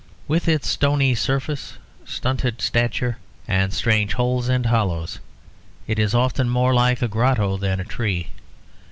With its stony surface, stunted stature, and strange holes and hollows, it is often more like a grotto than a tree.